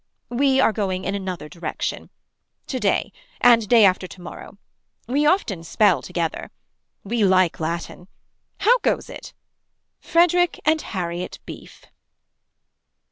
We are going in another direction. To day. And day after to morrow. We often spell together. We like latin. How goes it. Frederick and Harriet Beef.